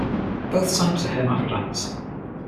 Both types are hermaphrodites.